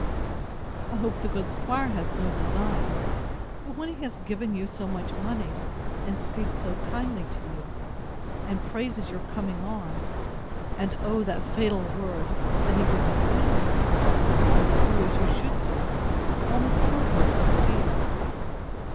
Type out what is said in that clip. I hope the good 'squire has no design: but when he has given you so much money, and speaks so kindly to you, and praises your coming on; and, oh, that fatal word! that he would be kind to you, if you would do as you should do, almost kills us with fears.